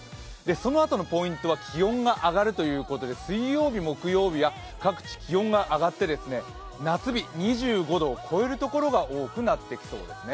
そのあとのポイントは気温が上がるということで水曜日、木曜日は各地気温が上がって夏日、２５度を超えるところが多くなってきそうですね。